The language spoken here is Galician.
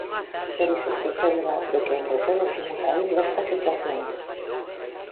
Por iso estou segura de que entre todos imos saír desta situación.